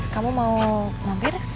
kamu mau mampir